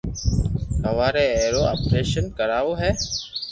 ھواري اي رو آپريݾن ڪراوہ ھي